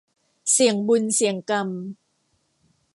เสี่ยงบุญเสี่ยงกรรม